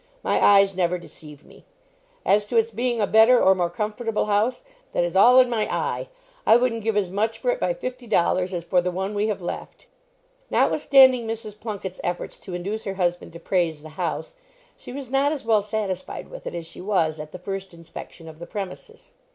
My eyes never deceive me. As to its being a better or more comfortable house, that is all in my eye. I wouldn't give as much for it, by fifty dollars, as for the one we have left." Notwithstanding Mrs. Plunket's efforts to induce her husband to praise the house, she was not as well satisfied with it as she was at the first inspection of the premises.